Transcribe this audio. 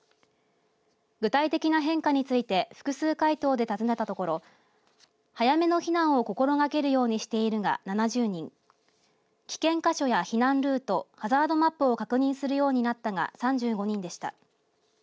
具体的な変化について複数回答で尋ねたところ早めの避難を心がけるようにしているが７０人危険箇所や避難ルートハザードマップを確認するようになったが３５人でした。